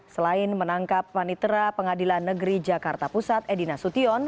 selain menangkap panitera pengadilan negeri jakarta pusat edina sution